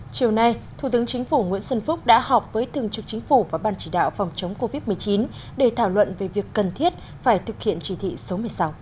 chiều nay thủ tướng chính phủ nguyễn xuân phúc đã họp với thường trực chính phủ và ban chỉ đạo phòng chống covid một mươi chín để thảo luận về việc cần thiết phải thực hiện chỉ thị số một mươi sáu